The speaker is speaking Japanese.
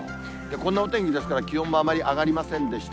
こんなお天気ですから、気温もあまり上がりませんでした。